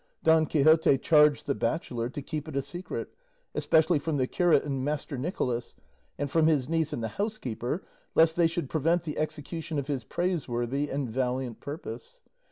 Don Quixote charged the bachelor to keep it a secret, especially from the curate and Master Nicholas, and from his niece and the housekeeper, lest they should prevent the execution of his praiseworthy and valiant purpose.